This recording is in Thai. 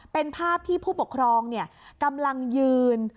เป็นภาพที่ผู้ปกครองกำลังยืน